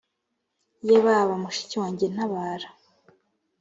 ye baba mushiki wanjye we ntabara